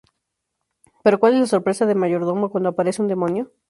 Pero cual es la sorpresa de Mayordomo cuando aparece un demonio.